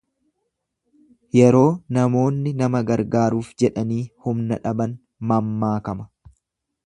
Yeroo namoonni nama gargaaruuf jedhanii humna dhaban mammaakama.